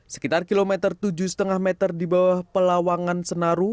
sekitar kilometer tujuh lima meter di bawah pelawangan senaru